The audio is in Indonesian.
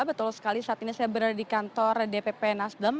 betul sekali saat ini saya berada di kantor dpp nasdem